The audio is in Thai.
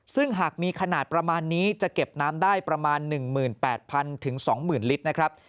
ซึ่งหากมีขนาดประมาณนี้จะเก็บน้ำได้ประมาณ๑๘๐๐๒๐๐ลิตรนะครับ